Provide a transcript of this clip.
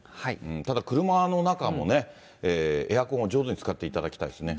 ただ車の中もね、エアコンを上手に使っていただきたいですね。